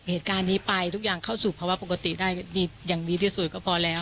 เหตุการณ์นี้ไปทุกอย่างเข้าสู่ภาวะปกติได้ดีอย่างดีที่สุดก็พอแล้ว